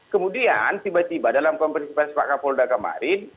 kemudian tiba tiba dalam konferensi pers pak kapolda kemarin